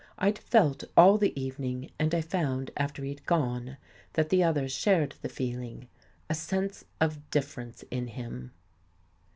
I'd felt all the evening, and I found after he'd gone, that the others shared the feeling, a sense of difference in him.